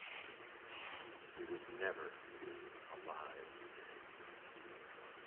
He was never seen alive again.